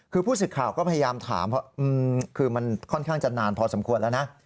คือผู้สื่อข่าวก็พยายามถามเพราะคือมันค่อนข้างจะนานพอสมควรแล้วนะ